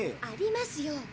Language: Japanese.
ありますよ。